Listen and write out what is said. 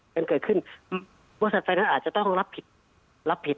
กันเกิดขึ้นบริษัทไฟนั้นอาจจะต้องรับผิดรับผิด